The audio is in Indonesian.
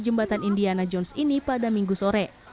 jembatan indiana jones ini pada minggu sore